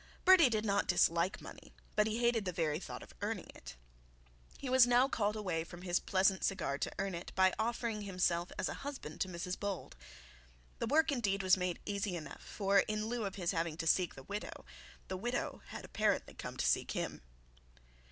Bertie did not dislike money, but he hated the very thought of earning it. He was now called away from his pleasant cigar to earn it, by offering himself as a husband to Mrs Bold. The work indeed was made easy enough; for in lieu of his having to seek the widow, the widow had apparently come to seek him.